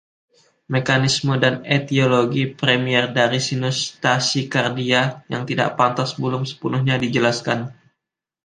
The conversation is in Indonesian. Mekanisme dan etiologi primer dari Sinus Tachycardia yang tidak pantas belum sepenuhnya dijelaskan.